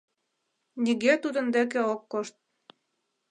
Нигӧ тудын деке ок кошт.